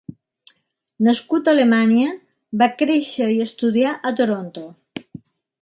Nascut a Alemanya, va créixer i estudiar a Toronto.